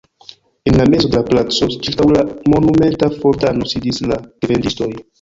En la mezo de la placo, ĉirkaŭ la monumenta fontano, sidis la gevendistoj.